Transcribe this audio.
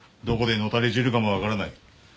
どこで野垂れ死ぬかも分からない。